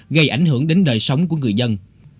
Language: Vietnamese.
gây ảnh hưởng đến đời sống của người dân